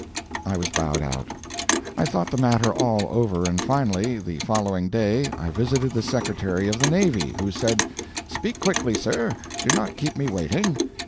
I was bowed out. I thought the matter all over and finally, the following day, I visited the Secretary of the Navy, who said, "Speak quickly, sir; do not keep me waiting."